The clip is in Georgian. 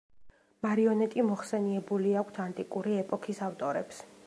მარიონეტი მოხსენიებული აქვთ ანტიკური ეპოქის ავტორებს.